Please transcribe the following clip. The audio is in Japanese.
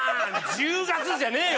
「１０月」じゃねえよ！